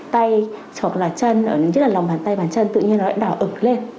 tay hoặc là chân nhất là lòng bàn tay bàn chân tự nhiên đã đào ẩn lên